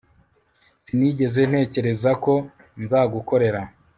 sinigeze ntekereza ko nzagukorera